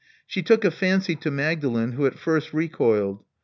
She took a fancy to Magdalen, who at first recoiled.